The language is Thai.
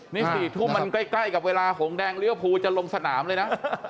นี่มันใกล้กับเวลาผงแดงเลื้อพูลจะลงสนามเลยนะ